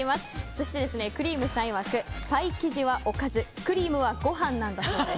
そしてクリームさんいわくパイ生地はおかずクリームはご飯だそうです。